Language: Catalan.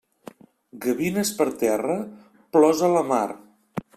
Gavines per terra, plors a la mar.